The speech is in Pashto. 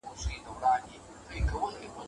آیا د تاریخي کلا دېوالونه لا هم هغسې هسک ولاړ دي؟